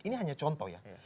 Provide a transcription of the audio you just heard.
ini hanya contoh ya